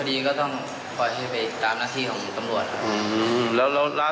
ไม่มั่นใจว่าถูกทำร้ายหรือเปล่า